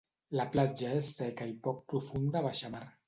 La platja és seca i poc profunda a baixamar.